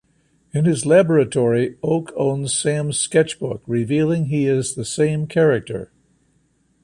In his laboratory, Oak owns Sam's sketchbook, revealing he is the same character.